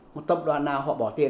một tập đoàn nào họ bỏ tiền